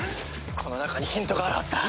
この中にヒントがあるはずだ。